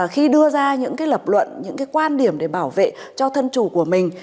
khi đưa ra những cái lập luận những cái quan điểm để bảo vệ cho thân chủ của mình